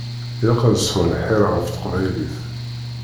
Ilaq ad sɛun lḥir ɣef teqbaylit.